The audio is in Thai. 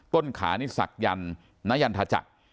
ต้นขานี่ศักยันท์ณทัจักร